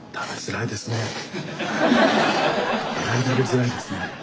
えらい食べづらいですね。